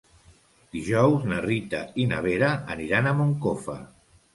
Dijous na Rita i na Vera aniran a Moncofa.